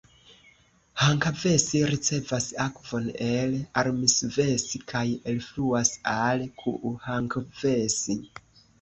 Hankavesi ricevas akvon el Armisvesi kaj elfluas al Kuuhankavesi.